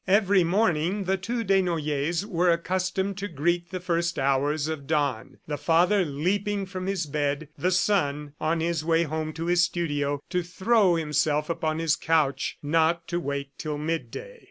Every morning the two Desnoyers were accustomed to greet the first hours of dawn the father leaping from his bed, the son, on his way home to his studio to throw himself upon his couch not to wake till midday.